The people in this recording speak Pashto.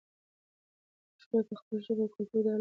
موږ باید خپله ژبه او کلتور د علم په واسطه بډایه کړو.